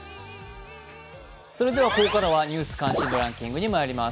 ここからは「ニュース関心度ランキング」にまいります。